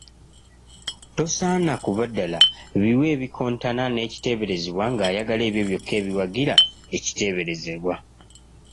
Tosaana kubadala biwe ebikontana n’ekiteeberezebwa ng’ayagala ebyo byokka eibwagira ekiteeberezebwa.